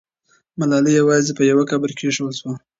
ملالۍ یوازې په یو قبر کې کښېښودل سوه.